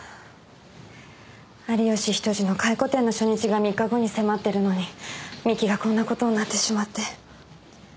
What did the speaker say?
有吉比登治の回顧展の初日が３日後に迫ってるのに三木がこんなことになってしまって。